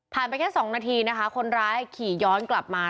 ไปแค่๒นาทีนะคะคนร้ายขี่ย้อนกลับมา